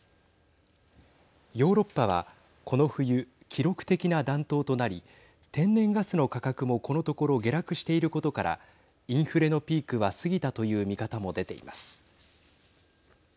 ヨーロッパは、この冬記録的な暖冬となり天然ガスの価格もこのところ下落していることからインフレのピークは過ぎたという見方も出ています。